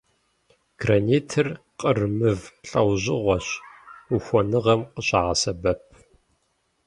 Гранитыр къыр мывэ лӏэужьыгъуэщ, ухуэныгъэм къыщагъэсэбэп.